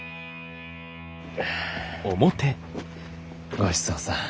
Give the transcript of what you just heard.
ごちそうさん。